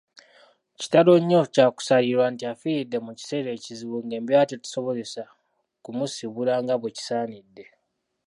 Kitalo nnyo kyakusaalirwa nti afiiridde mu kiseera ekizibu ng'embeera tetusobozesa kumusiibula nga bwekisaanidde.